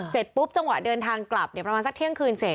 เสร็จปุ๊บจังหวะเดินทางกลับประมาณสักเที่ยงคืนเสร็จ